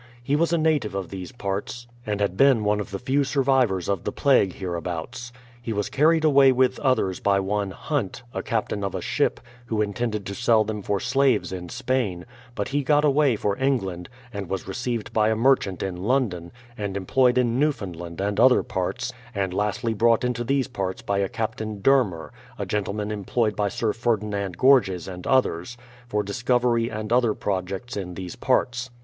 He was a native of these parts, and had been one of the few survivors of the plague here abouts. He was carried away with others by one Hunt, a captain of a ship, who intended to sell them for slaves in Spain ; but he got away for England, and was received by a merchant in London, and employed in Newfoimdland and other parts, and lastly brought into these parts by a Captain Dermer, a gentleman employed by Sir Ferdinand Gorges and others, for discovery and other projects in these parts.